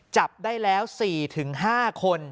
จับได้แล้ว๔๕คน